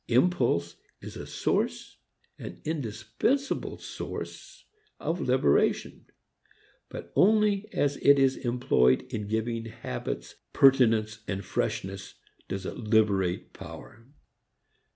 Impulse is a source, an indispensable source, of liberation; but only as it is employed in giving habits pertinence and freshness does it liberate power.